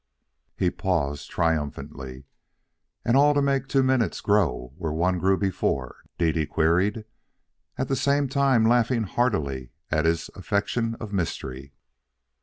He paused triumphantly. "And all to make two minutes grow where one grew before?" Dede queried, at the same time laughing heartily at his affectation of mystery.